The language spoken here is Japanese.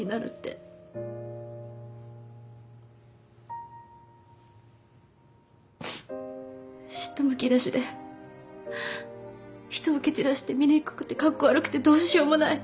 ううっ嫉妬むき出しで人を蹴散らして醜くてかっこ悪くてどうしようもない。